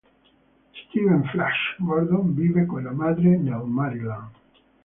Steven "Flash" Gordon vive con la madre nel Maryland.